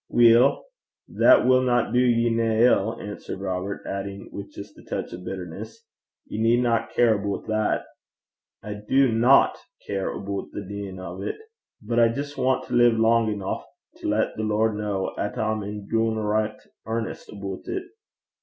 'Weel, that winna do ye nae ill,' answered Robert, adding with just a touch of bitterness 'ye needna care aboot that.' 'I do not care aboot the deein' o' 't. But I jist want to live lang eneuch to lat the Lord ken 'at I'm in doonricht earnest aboot it.